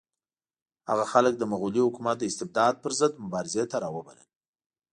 هغه خلک د مغلي حکومت د استبداد پر ضد مبارزې ته راوبلل.